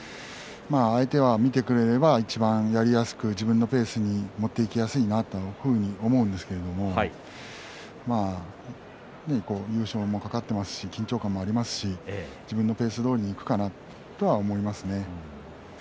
相手が見てくれるといちばんやりやすく自分のペースに持っていきやすいんだというふうに思うんですけれど優勝も懸かっていますし緊張感もありますし自分のペースどおりにいくかな？と思いますね。